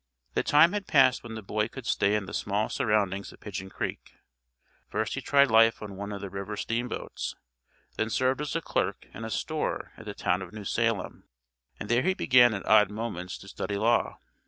The time had passed when the boy could stay in the small surroundings of Pidgeon Creek. First he tried life on one of the river steamboats, then served as a clerk in a store at the town of New Salem, and there he began at odd moments to study law.